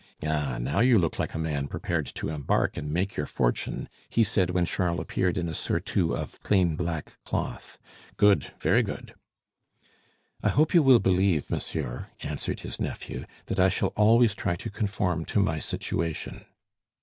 "Ah! now you look like a man prepared to embark and make your fortune," he said, when Charles appeared in a surtout of plain black cloth. "Good! very good!" "I hope you will believe, monsieur," answered his nephew, "that I shall always try to conform to my situation."